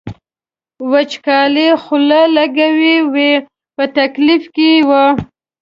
وچکالۍ خوله لګولې وه په تکلیف کې و.